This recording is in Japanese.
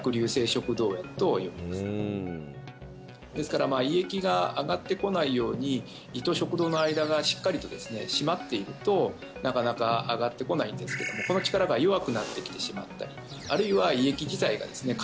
食道炎と呼びますですからまあ胃液が上がってこないように胃と食道の間がしっかりとですねしまっているとなかなか上がってこないんですけどもこの力が弱くなってきてしまったりあるいは胃液自体がですね